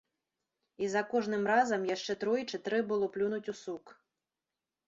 І за кожным разам яшчэ тройчы трэ было плюнуць у сук.